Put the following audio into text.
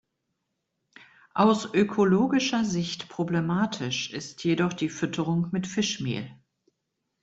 Aus ökologischer Sicht problematisch ist jedoch die Fütterung mit Fischmehl.